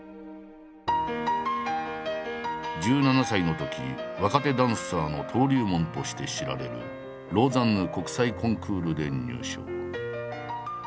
１７歳のとき若手ダンサーの登竜門として知られるローザンヌ国際コンクールで入賞。